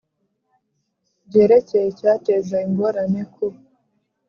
byerekeye icyateza ingorane ku